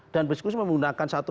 dan berdiskusi menggunakan satu